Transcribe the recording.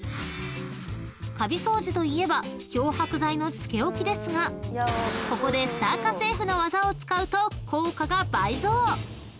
［カビ掃除といえば漂白剤のつけ置きですがここでスター家政婦の技を使うと効果が倍増！］